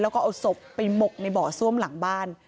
แล้วก็เอาศพไปหมกในบ่อซ่วมหลังบ้าน